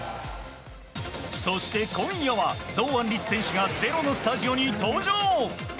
そして今夜は堂安律選手が「ｚｅｒｏ」のスタジオに登場！